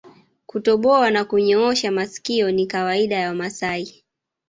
Kutoboa na kunyoosha masikio ni kawaida ya Wamasai